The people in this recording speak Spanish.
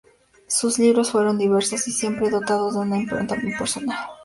Sus libros fueron diversos y siempre dotados de una impronta muy personal.